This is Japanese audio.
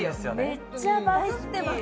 めっちゃバズってます